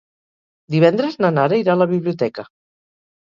Divendres na Nara irà a la biblioteca.